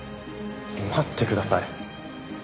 待ってください。